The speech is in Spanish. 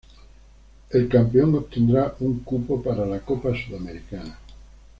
El campeón obtendrá un cupo para la Copa Sudamericana.